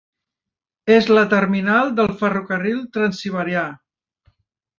És la terminal del Ferrocarril Transsiberià.